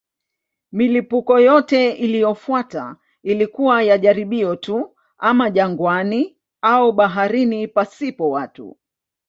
Milipuko yote iliyofuata ilikuwa ya jaribio tu, ama jangwani au baharini pasipo watu.